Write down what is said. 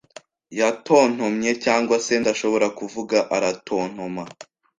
Yatontomye, cyangwa se, ndashobora kuvuga, aratontoma.